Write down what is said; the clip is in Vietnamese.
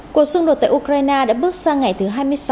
cuộc xung đột tại ukraine đã bước sang ngày thứ hai mươi sáu